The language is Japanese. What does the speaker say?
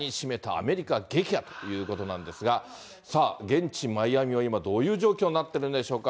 アメリカ撃破ということなんですが、さあ、現地マイアミは今、どういう状況になってるんでしょうか。